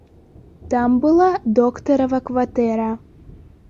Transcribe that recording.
Там была доктарава кватэра.